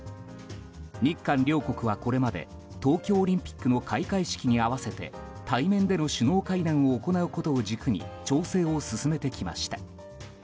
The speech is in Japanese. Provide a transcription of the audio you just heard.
日韓両国はこれまで東京オリンピックの開会式に合わせて対面での首脳会談を行うことを軸に調整を進めてきました。